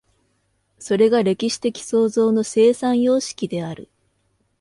それが歴史的創造の生産様式である。